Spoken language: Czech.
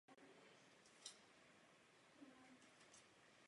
Motor od kokpitu oddělovala protipožární stěna.